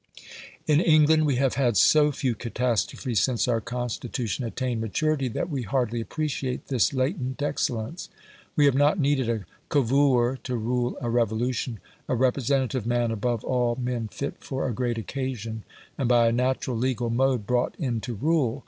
In England we have had so few catastrophes since our Constitution attained maturity, that we hardly appreciate this latent excellence. We have not needed a Cavour to rule a revolution a representative man above all men fit for a great occasion, and by a natural legal mode brought in to rule.